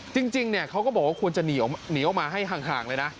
จริงเขาก็บอกว่าควรจะหนีออกมาให้ห่างเลยนะ